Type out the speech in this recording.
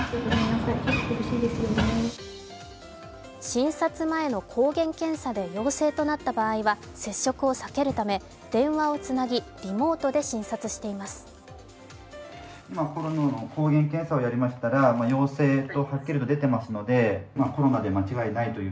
診察前の抗原検査で陽性となった場合は接触を避けるため電話をつなぎリモートで診察をしています。